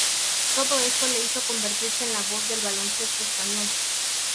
Todo esto le hizo convertirse en la voz del baloncesto español.